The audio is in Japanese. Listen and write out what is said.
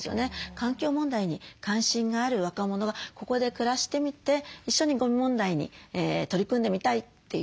環境問題に関心がある若者がここで暮らしてみて一緒にゴミ問題に取り組んでみたいという。